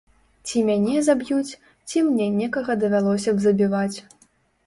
Ці мяне заб'юць, ці мне некага давялося б забіваць.